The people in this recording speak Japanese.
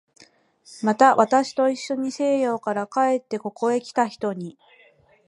また、私といっしょに西洋から帰ってここへきた人に